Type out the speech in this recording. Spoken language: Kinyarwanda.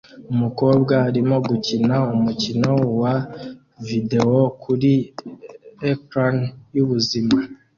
Umukobwa arimo gukina umukino wa videwo kuri ecran yubuzima